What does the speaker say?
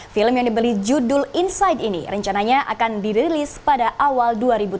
film yang dibeli judul insight ini rencananya akan dirilis pada awal dua ribu tujuh belas